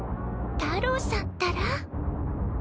たろうさんったら。